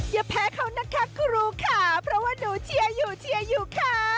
อย่าแพ้เขานะคะครูค่ะเพราะว่าหนูเชียร์อยู่ค่ะ